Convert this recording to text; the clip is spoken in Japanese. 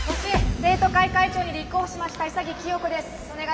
生徒会会長に立候補しました潔清子です。